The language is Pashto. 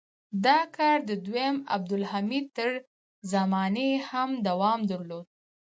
دا کار د دویم عبدالحمید تر زمانې یې هم دوام درلود.